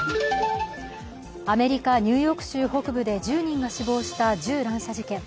アメリカ・ニューヨーク州北部で１０人が死亡した銃乱射事件。